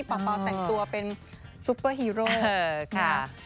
เป่าแต่งตัวเป็นซุปเปอร์ฮีโร่ค่ะ